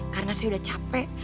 karena saya udah capek